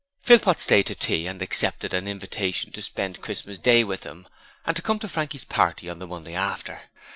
Philpot stayed to tea and accepted an invitation to spend Christmas Day with them, and to come to Frankie's party on the Monday after.